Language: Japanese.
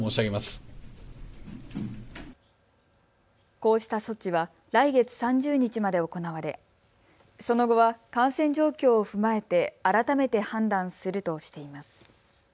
こうした措置は来月３０日まで行われその後は感染状況を踏まえて改めて判断するとしています。